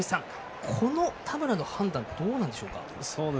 この田村の判断どうなんでしょうか？